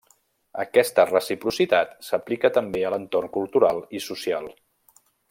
Aquesta reciprocitat s'aplica també a l'entorn cultural i social.